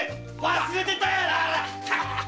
忘れてた。